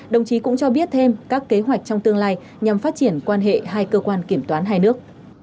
đồng chí cũng cho biết thêm các kế hoạch trong tương lai nhằm phát triển quan hệ hai cơ quan kiểm toán hai nước